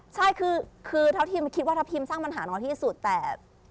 ใช่คือทัพทิมคิดว่าทัพทีมสร้างปัญหาน้อยที่สุดแต่